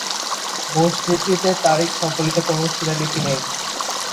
মসজিদটিতে তারিখ সম্বলিত কোনো শিলালিপি নেই।